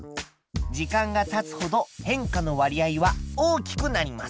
時間がたつほど変化の割合は大きくなります。